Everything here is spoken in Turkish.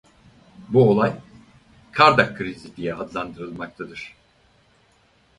Bu olay Kardak Krizi diye adlandırılmaktadır.